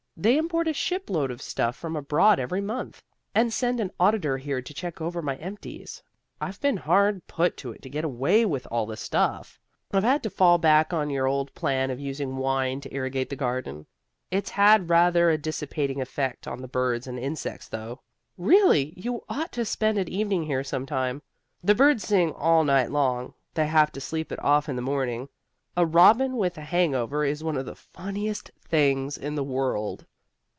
"They import a shipload of stuff from abroad every month, and send an auditor here to check over my empties. I've been hard put to it to get away with all the stuff. I've had to fall back on your old plan of using wine to irrigate the garden. It's had rather a dissipating effect on the birds and insects, though. Really, you ought to spend an evening here some time. The birds sing all night long: they have to sleep it off in the morning. A robin with a hang over is one of the funniest things in the world."